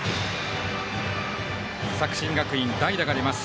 作新学院、代打が出ます。